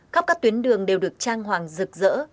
khắp các tuyến đường đều được trang hoàng rực rỡ